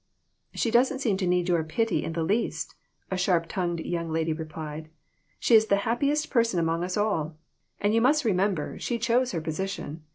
"She doesn't seem to need your pity in the least," a sharp tongued young lady replied ; "she is the happiest person among us all. And you must remember she chose her position.